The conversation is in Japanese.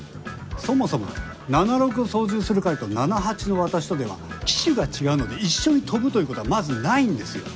そもそもナナロクを操縦する彼とナナハチの私とでは機種が違うので一緒に飛ぶという事はまずないんですよ。